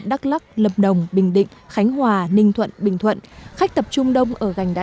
đắk lắc lập đồng bình định khánh hòa ninh thuận bình thuận khách tập trung đông ở gành đá